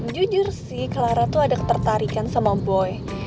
jujur sih clara tuh ada ketertarikan sama boy